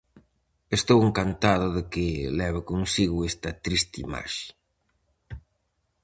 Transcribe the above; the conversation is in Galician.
Estou encantado de que leve consigo esta triste imaxe.